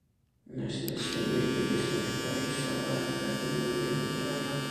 La estación de lluvias en el país abarca de noviembre a marzo.